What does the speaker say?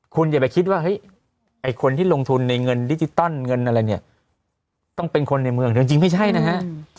คุณอย่าไปคิดว่าเฮ้ยไอ้คนที่ลงทุนในเงินดิจิตอลเงินอะไรเนี่ยต้องเป็นคนในเมืองจริงไม่ใช่นะฮะ